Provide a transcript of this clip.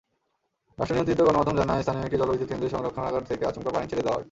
রাষ্ট্রনিয়ন্ত্রিত গণমাধ্যম জানায়, স্থানীয় একটি জলবিদ্যুৎকেন্দ্রের সংরক্ষণাগার থেকে আচমকা পানি ছেড়ে দেওয়া হয়।